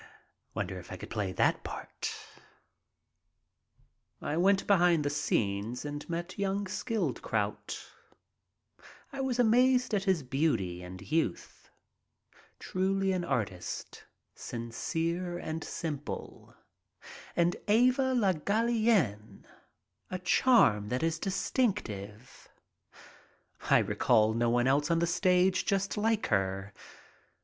Wonder if I could play that part? I went back behind the scenes and met young Skildkraut. I was amazed at his beauty and youth. Truly an artist, sincere and simple. And Eva Le Gallienne, a charm that is distinctive. I recall no one else on the stage just like her.